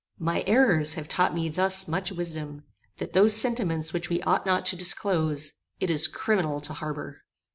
My errors have taught me thus much wisdom; that those sentiments which we ought not to disclose, it is criminal to harbour.